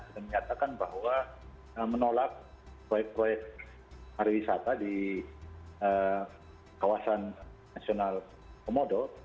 menyatakan bahwa menolak proyek proyek hari wisata di kawasan nasional komodo